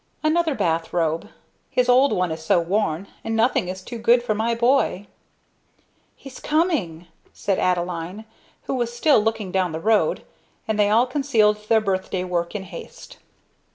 "Another bath robe; his old one is so worn. And nothing is too good for my boy." "He's coming," said Adeline, who was still looking down the road; and they all concealed their birthday work in haste.